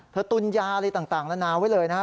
เธอตุ้นยาอะไรต่างละนาไว้เลยนะ